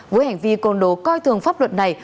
với hành vi côn đồ coi thường pháp luật này